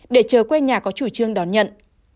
để chờ quê nhà có chủ trương đón nhận